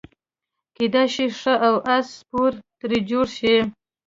کیدای شي ښه د اس سپور ترې جوړ شي.